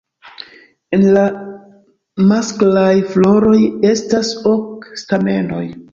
En la masklaj floroj estas ok stamenoj.